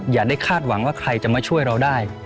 อย่าได้คาดหวังว่าใครจะมาช่วยเราได้